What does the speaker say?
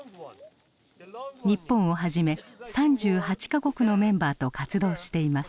日本をはじめ３８か国のメンバーと活動しています。